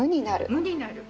無になる。